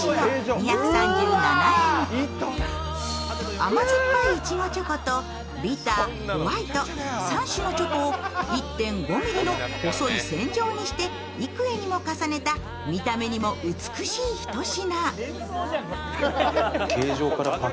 甘酸っぱいいちごチョコとビター、ホワイト、３種のチョコを１．５ｍｍの細い線状にして幾重にも重ねた見た目にも美しいひと品。